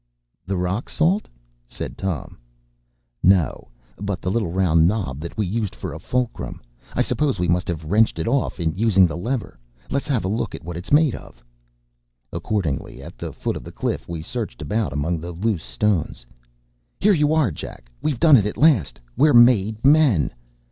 ” “The rock salt?” said Tom. “No; but the little round knob that we used for a fulcrum. I suppose we must have wrenched it off in using the lever. Let’s have a look at what it’s made of.” Accordingly, at the foot of the cliff we searched about among the loose stones. “Here you are, Jack! We’ve done it at last! We’re made men!